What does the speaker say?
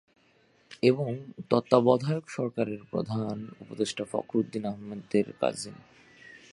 এবং তত্ত্বাবধায়ক সরকারের সাবেক প্রধান উপদেষ্টা ফখরুদ্দিন আহমেদের কাজিন।